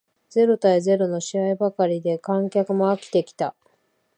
ゼロ対ゼロの試合ばかりで観客も飽きてきた